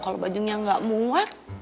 kalau bajunya gak muat